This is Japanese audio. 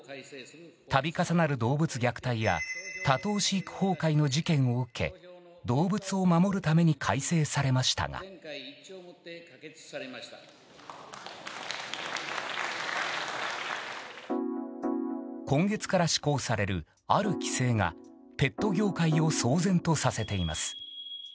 度重なる動物虐待や多頭飼育崩壊の事件を受け動物を守るために改正されましたが今月から施行される、ある規制がペット業界を騒然とさせています。